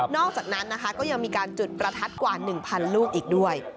อกจากนั้นนะคะก็ยังมีการจุดประทัดกว่า๑๐๐ลูกอีกด้วย